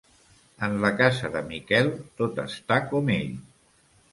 En la casa de Miquel, tot està com ell.